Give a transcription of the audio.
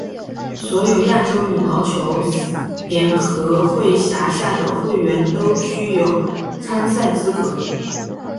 所有亚洲羽毛球联合会辖下的会员都具有参赛资格。